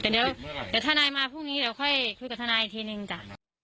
เดี๋ยวท่านายมาพรุ่งนี้เราค่อยคุยกับท่านายอีกทีนึงจ้ะ